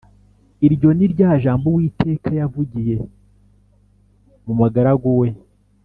Iryo ni rya jambo Uwiteka yavugiye mu mugaragu we